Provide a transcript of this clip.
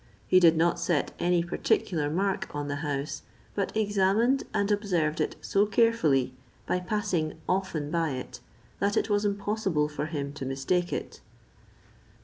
He did not set any particular mark on the house, but examined and observed it so carefully, by passing often by it, that it was impossible for him to mistake it.